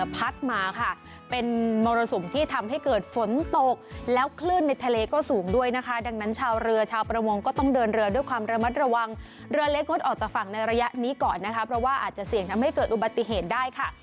พัดมาค่ะเป็นมรสุมที่ทำให้เกิดฝนตกแล้วคลื่นในทะเลก็สูงด้วยนะคะดังนั้นชาวเรือชาวประมงก็ต้องเดินเรือด้วยความระมัดระวังเรือเล็กงดออกจากฝั่งในระยะนี้ก่อนนะคะเพราะว่าอาจจะเสี่ยงทำให้เกิดอุบัติเหตุได้ค่ะ